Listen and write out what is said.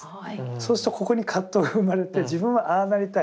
そうするとここに葛藤が生まれて自分はああなりたい。